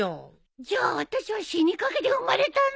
じゃああたしは死にかけで生まれたの？